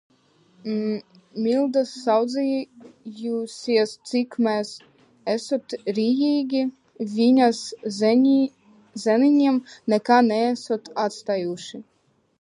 Milda sūdzējusies, cik mēs esot rijīgi, viņas zēniņiem nekā neesot atstājuši.